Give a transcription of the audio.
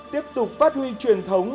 tiếp tục phát huy truyền thống